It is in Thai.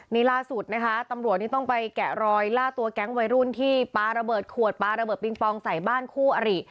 นี่ล่าสุดนะคะตำรวจนี่ต้องไปแกะรอยล่าตัวแก๊งวัยรุ่นที่ปลาระเบิดขวดปลาระเบิดปิงปองใส่บ้านคู่อริ